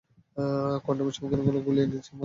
কোয়ান্টামের সমীকরণগুলো গুলিয়ে দিচ্ছে মাথাটা।